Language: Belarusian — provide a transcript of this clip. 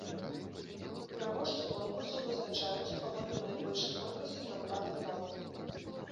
Пераможцы конкурсу вызначаюцца паводле найбольшай колькасці набраных балаў.